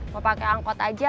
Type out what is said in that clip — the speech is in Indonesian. mau pake angkot aja